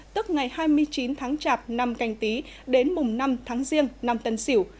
tức ngày hai mươi chín tháng chạp năm canh tí đến mùng năm tháng riêng năm tân xỉu